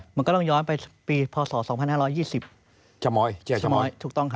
มันก็ต้องย้อนไปปีพศ๒๕๒๐ชะม้อยชะม้อยถูกต้องครับ